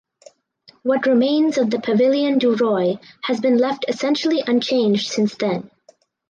What remains of the Pavillon du Roi has been left essentially unchanged since then.